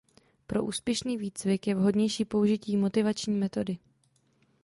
Pro úspěšný výcvik je vhodnější použití motivační metody.